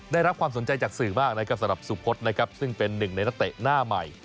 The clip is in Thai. ได้รับความสนใจจากสื่อมากนะครับสำหรับสุพธนะครับซึ่งเป็นหนึ่งในนักเตะหน้าใหม่